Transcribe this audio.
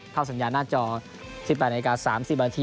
เข้าสัญญาณหน้าจอ๑๘นาที๓๐นาที